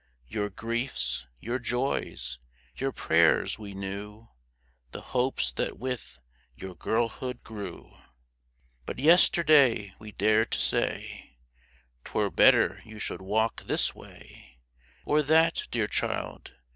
Your griefs, your joys, your prayers, we knew, The hopes that with your girlhood grew. But yesterday we dared to say, " 'Twere better you should walk this way Or that, dear child